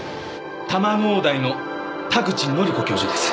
多摩農大の田口紀子教授です。